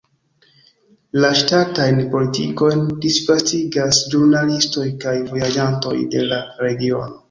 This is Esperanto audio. La ŝtatajn politikojn disvastigas ĵurnalistoj kaj vojaĝantoj de la regiono.